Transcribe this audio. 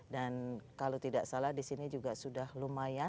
dan kalau tidak salah di sini juga sudah lumayan